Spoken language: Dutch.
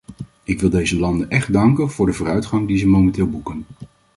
Ik wil deze landen echt danken voor de vooruitgang die ze momenteel boeken.